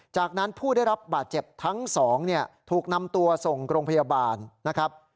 จากนั้นผู้ได้รับบาดเจ็บทั้งสองเนี่ยถูกนำตัวส่งโรงพยาบาลนะครับ